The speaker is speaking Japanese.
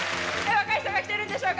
若い人が来てるんでしょうか？